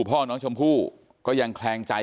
พ่อน้องชมพู่ก็ยังแคลงใจ